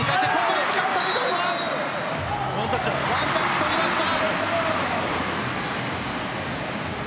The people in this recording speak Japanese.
ワンタッチ取りました。